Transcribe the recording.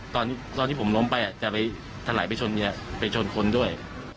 ตอนที่ผมล้มไปจะไปถลายไปชนเมียไปชนคนด้วย